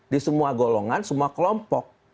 di semua golongan semua kelompok